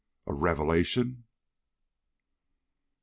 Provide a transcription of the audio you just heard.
"A revelation?" "Yes."